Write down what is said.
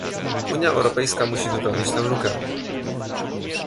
Unia Europejska musi wypełnić tę lukę